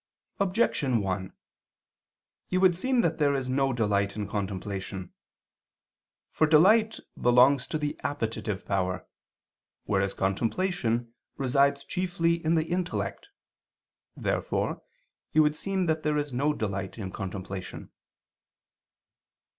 Objection 1: It would seem that there is no delight in contemplation. For delight belongs to the appetitive power; whereas contemplation resides chiefly in the intellect. Therefore it would seem that there is no delight in contemplation.